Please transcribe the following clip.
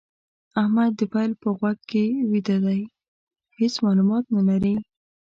احمد د پيل په غوږ کې ويده دی؛ هيڅ مالومات نه لري.